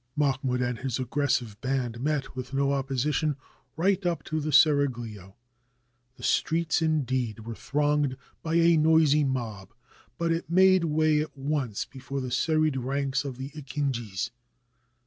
Mahmoud and his aggressive band met with no oppo sition right up to the seraglio. The streets, indeed, were thronged by a noisy mob, but it made way at once before the serried ranks of the akinjis.